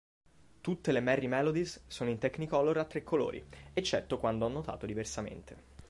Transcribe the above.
Tutte le Merrie Melodies sono in Technicolor a tre colori, eccetto quando annotato diversamente.